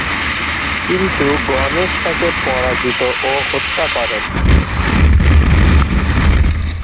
কিন্তু গণেশ তাকে পরাজিত ও হত্যা করেন।